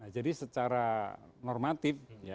jadi secara normatif